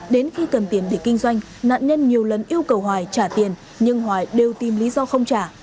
đến khi cần tiền để kinh doanh nạn nhân nhiều lần yêu cầu hoài trả tiền nhưng hoài đều tìm lý do không trả